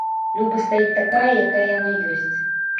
Люба стаіць такая, якая яна ёсць.